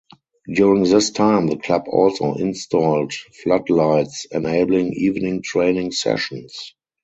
During this time the club also installed floodlights enabling evening training sessions.